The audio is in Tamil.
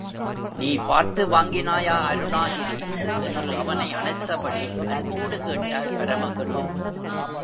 நீ பார்த்து வாங்கினியா அருணாகிரி என்று அவனை அணைத்த படி அன்போடு கேட்டார் பரமகுரு.